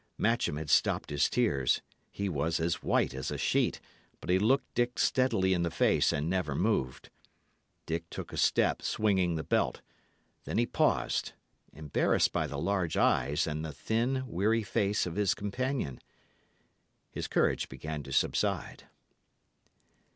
Matcham had stopped his tears; he was as white as a sheet, but he looked Dick steadily in the face, and never moved. Dick took a step, swinging the belt. Then he paused, embarrassed by the large eyes and the thin, weary face of his companion. His courage began to subside.